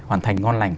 hoàn thành ngon lành